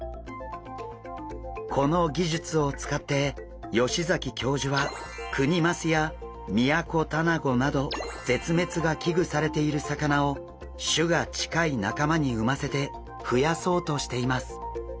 この技術を使って吉崎教授はクニマスやミヤコタナゴなど絶滅が危惧されている魚を種が近い仲間に産ませてふやそうとしています。